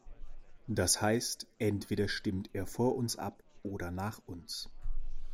Das heißt, entweder stimmt er vor uns ab oder nach uns.